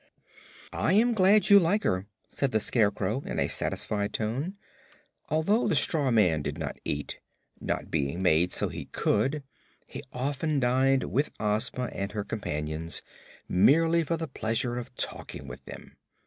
"I am glad you like her," said the Scarecrow in a satisfied tone. Although the straw man did not eat, not being made so he could, he often dined with Ozma and her companions, merely for the pleasure of talking with them.